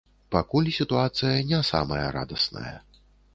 Пакуль сітуацыя не самая радасная.